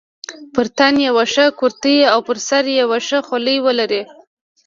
پر تن یوه ښه کورتۍ او پر سر یوه ښه خولۍ ولري.